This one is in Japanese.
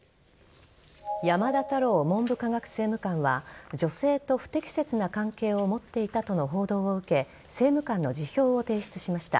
山田太郎文部科学政務官は女性と不適切な関係を持っていたとの報道を受け政務官の辞表を提出しました。